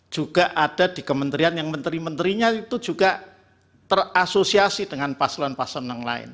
juga ada di kementerian yang menteri menterinya itu juga terasosiasi dengan paslon paslon yang lain